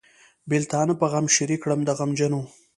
بېلتانه په غم شریک کړم د غمجنو.